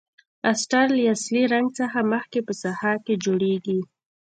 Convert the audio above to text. استر له اصلي رنګ څخه مخکې په ساحه کې جوړیږي.